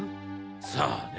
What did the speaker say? さあね。